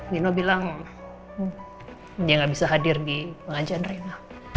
dino bilang dia gak bisa hadir di pengajian reno